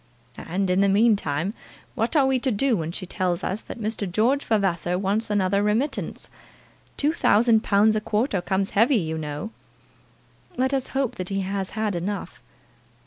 "And, in the meantime, what are we to do when she tells us that Mr. George Vavasor wants another remittance? Two thousand pounds a quarter comes heavy, you know!" "Let us hope that he has had enough."